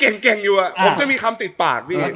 เงี๋ยบเกรี๊บ